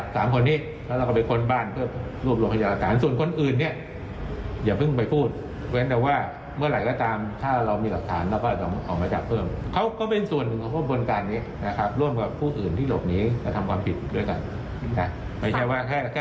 คนนี้คือยังไม่ใช่ตัวบัญการใช่ไหมคะยังมีเหนือกว่านี้ใช่ไหมคะ